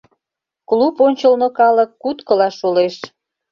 Клуб ончылно калык куткыла шолеш.